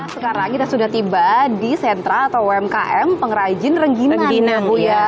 sekarang kita sudah tiba di sentra atau umkm pengrajin renggima bu ya